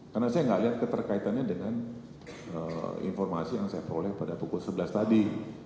karena saya tidak lihat keterkaitannya dengan informasi yang saya peroleh pada pukul sebelas tadi